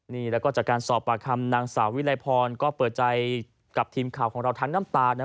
นี่แล้วก็จากการสอบปากคำนางสาววิลัยพรก็เปิดใจกับทีมข่าวของเราทั้งน้ำตานะ